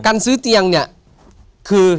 การซื้อเตียงเนี่ยคือ